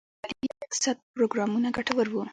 د کلیوالي اقتصاد پروګرامونه ګټور وو؟